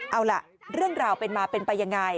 เอาล่ะเรื่องราวเป็นมาเป็นไปยังไง